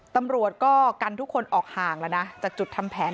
ตำรวจก็กันทุกคนออกห่างแล้วนะจากจุดทำแผน